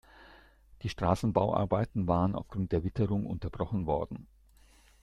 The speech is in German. Die Straßenbauarbeiten waren aufgrund der Witterung unterbrochen worden.